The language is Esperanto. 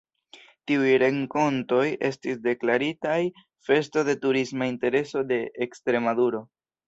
Tiuj renkontoj estis deklaritaj Festo de Turisma Intereso de Ekstremaduro.